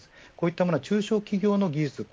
こういったものは中小企業の技術